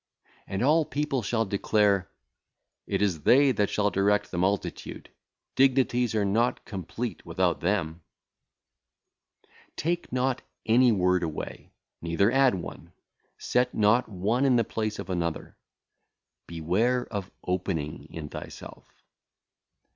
And all people shall declare, 'It is they that shall direct the multitude; dignities are not complete without them.' Take not any word away, neither add one; set not one in the place of another. Beware of opening... in thyself.